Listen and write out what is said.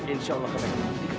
insya allah pak